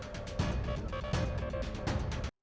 sofian ali tarakan kalimantan utara